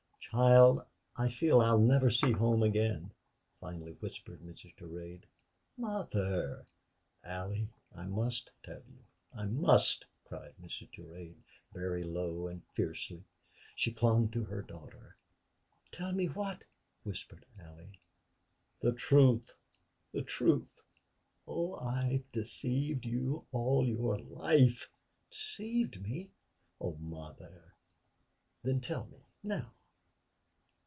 "Child, I feel I'll never see home again," finally whispered Mrs. Durade. "Mother!" "Allie, I must tell you I must!" cried Mrs. Durade, very low and fiercely. She clung to her daughter. "Tell me what?" whispered Allie. "The truth the truth! Oh, I've deceived you all your life!" "Deceived me! Oh, mother! Then tell me now."